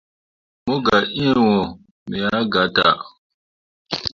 Mu gah err wo, me ah gatah.